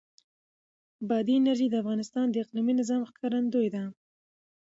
بادي انرژي د افغانستان د اقلیمي نظام ښکارندوی ده.